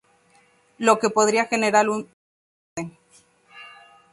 Lo que podría generar un desorden.